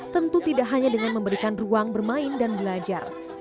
tentu tidak hanya dengan memberikan ruang bermain dan belajar